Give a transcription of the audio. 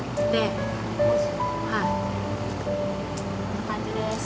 こんな感じです。